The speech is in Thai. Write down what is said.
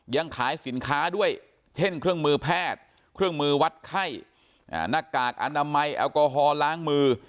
ยังขายสินค้าด้วยเช่นเครื่องมือแพทย์เครื่องมือวัดไข้หน้ากากอนามัยแอลกอฮอลล้างมือ